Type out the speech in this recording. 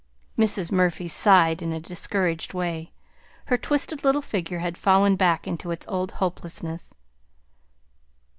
Mrs. Murphy sighed in a discouraged way. Her twisted little figure had fallen back into its old hopelessness.